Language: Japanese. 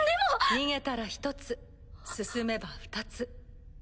逃げたら１つ進めば２つ。